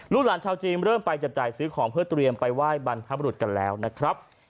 หลานชาวจีนเริ่มไปจับจ่ายซื้อของเพื่อเตรียมไปไหว้บรรพบรุษกันแล้วนะครับ